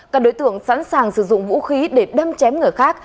các đối tượng sẵn sàng sử dụng vũ khí để đâm chém người khác